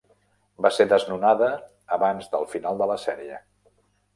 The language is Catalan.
Va ser desnonada abans del final de la sèrie.